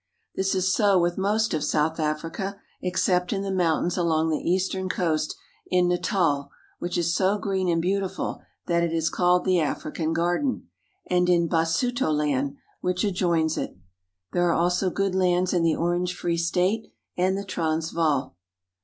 This is so with most of South Africa, except in the 1 jRiountains along the eastern coast, in. Natal (na tal'X J which is so green and beautiful that it is called the i African Garden, and in Basutoland (bi sou'to land) which ' I adjoins it. There are also good lands in the Orange Free State and the Transvaal.